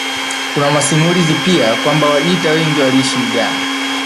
Kuna masimulizi pia kwamba Wajita wengi waliishi Uganda